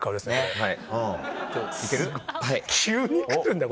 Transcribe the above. はい。